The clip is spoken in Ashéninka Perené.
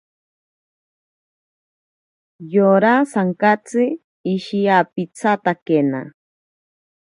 Yora sankatsi ishiyapitsatakena.